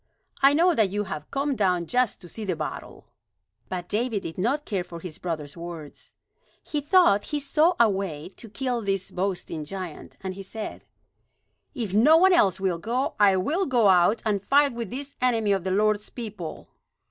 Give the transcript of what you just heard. I know that you have come down just to see the battle." But David did not care for his brother's words. He thought he saw a way to kill this boasting giant; and he said: "If no one else will go, I will go out and fight with this enemy of the Lord's people."